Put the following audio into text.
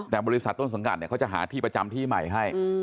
แต่บริษัทต้นสังกัดเนี่ยเขาจะหาที่ประจำที่ใหม่ให้